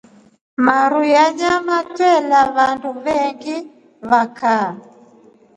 Maruu ya nyama twela wandu vengi va kaa.